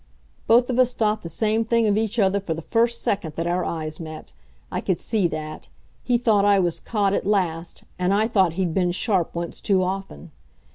Both of us thought the same thing of each other for the first second that our eyes met. I could see that. He thought I was caught at last. And I thought he'd been sharp once too often.